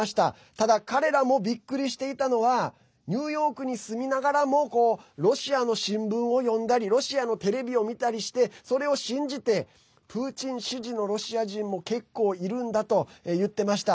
ただ彼らもびっくりしていたのはニューヨークに住みながらもロシアの新聞を読んだりロシアのテレビを見たりしてそれを信じてプーチン支持のロシア人も結構いるんだと言ってました。